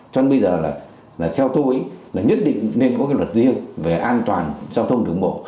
cho nên bây giờ là theo tôi là nhất định nên có cái luật riêng về an toàn giao thông đường bộ